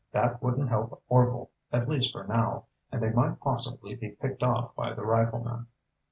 That wouldn't help Orvil, at least for now, and they might possibly be picked off by the riflemen.